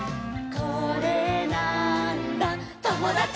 「これなーんだ『ともだち！』」